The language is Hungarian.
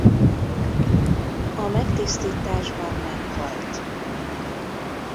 A megtisztításban meghalt.